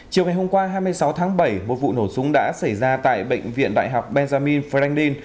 chiều ngày hôm qua hai mươi sáu tháng bảy một vụ nổ súng đã xảy ra tại bệnh viện đại học benjamin frandin